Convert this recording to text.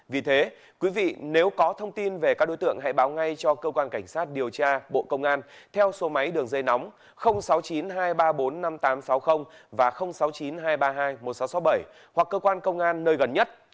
vì thế quý vị nếu có thông tin về các đối tượng hãy báo ngay cho cơ quan cảnh sát điều tra bộ công an theo số máy đường dây nóng sáu mươi chín hai trăm ba mươi bốn năm nghìn tám trăm sáu mươi và sáu mươi chín hai trăm ba mươi hai một nghìn sáu trăm sáu mươi bảy hoặc cơ quan công an nơi gần nhất